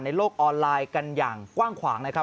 โลกออนไลน์กันอย่างกว้างขวางนะครับ